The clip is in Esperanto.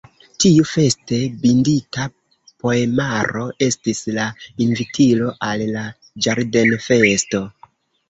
Tiu feste bindita poemaro estis la invitilo al la ĝardenfesto.